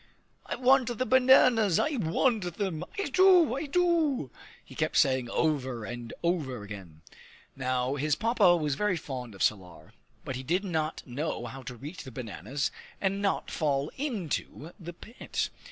"I want the bananas; I want them; I do, I do!" he kept saying over and over again. Now his Papa was very fond of Salar, but he did not know how to reach the bananas and not fall into the pit.